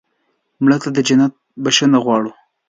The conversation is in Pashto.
مړه ته د جنت بښنه غواړو